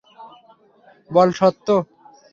বল, সত্য?